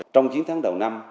trong chín tháng đầu năm